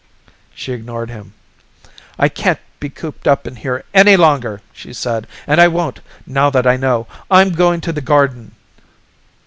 She ignored him. "I can't be cooped up here any longer," she said. "And I won't, now that I know. I'm going to the garden."